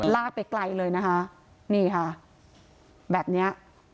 ลากไปไกลเลยนะคะนี่ค่ะแบบเนี้ย